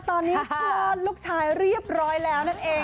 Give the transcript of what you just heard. ตอนนี้คลอดลูกชายเรียบร้อยแล้วนั่นเอง